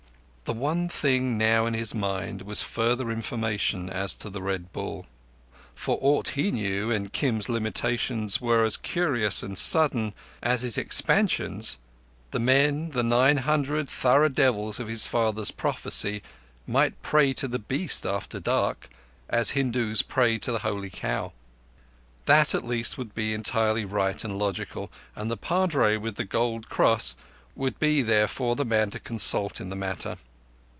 The one thing now in his mind was further information as to the Red Bull. For aught he knew, and Kim's limitations were as curious and sudden as his expansions, the men, the nine hundred thorough devils of his father's prophecy, might pray to the beast after dark, as Hindus pray to the Holy Cow. That at least would be entirely right and logical, and the padre with the gold cross would be therefore the man to consult in the matter.